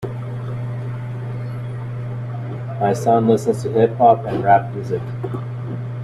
My son listens to hip-hop and rap music.